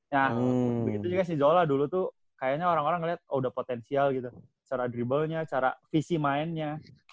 nah begitu juga si zola dulu tuh kayaknya orang orang ngelihat oh udah potensial gitu cara dribblenya cara visi mainnya